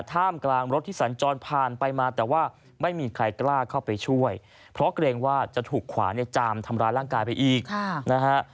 ท่ามกลางรถที่สัญจรผ่านไปมาแต่ว่าไม่มีใครกล้าเข้าไปช่วยเพราะเกรงว่าจะถูกขวาเนี่ยจามทำร้ายร่างกายไปอีกนะฮะ